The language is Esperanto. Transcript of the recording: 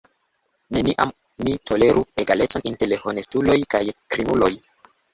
Neniam ni toleru egalecon inter honestuloj kaj krimuloj!